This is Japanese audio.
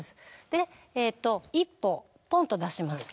でえっと一歩ポンと出します。